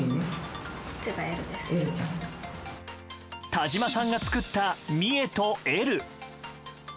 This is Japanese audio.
田島さんが作ったミエとエル。